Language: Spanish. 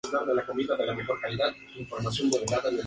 Al poco tiempo se sumó como entrenador Martín Such.